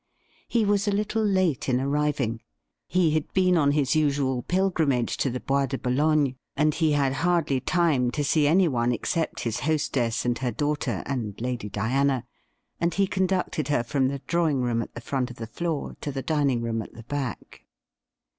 He was a little late in arriving. He had been on his usual pilgrimage to the Bois de Boulogne, and he had hardly time to see anyone except his hostess and her daughter, and Lady Diana, and he conducted her from the drawing room at the front of the floor to the dining room at the back.